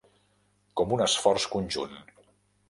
Com un esforç conjunt.